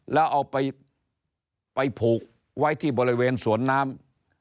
แล้วเอาไปผูกไว้ที่บริเวณสวนน้ำ